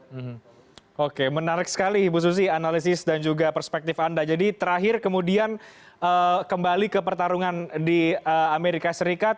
hmm oke menarik sekali ibu susi analisis dan juga perspektif anda jadi terakhir kemudian kembali ke pertarungan di amerika serikat